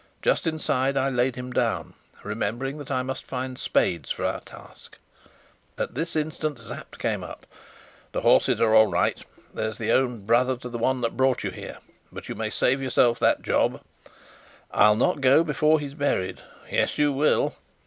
Just inside I laid him down, remembering that I must find spades for our task. At this instant Sapt came up. "The horses are all right; there's the own brother to the one that brought you here. But you may save yourself that job." "I'll not go before he's buried." "Yes, you will."